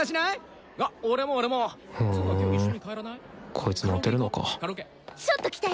こいつモテるのかちょっと来て！